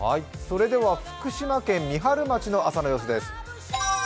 福島県三春町の朝の様子です。